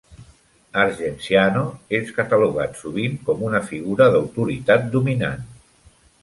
Argenziano és catalogat sovint com una figura d'autoritat dominant.